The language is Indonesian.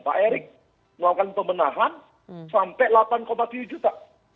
pak erick melakukan pembenahan sampai delapan tujuh juta